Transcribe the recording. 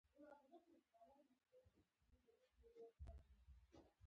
په جومات کې له بوټونو سره ګرځېدلو.